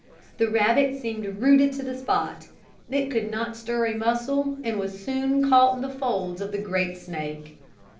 The rabbit seemed rooted to the spot. It could not stir a muscle and was soon caught in the folds of the great snake.